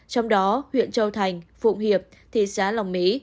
trong đó huyện châu thành phụng hiệp thị xã lòng mỹ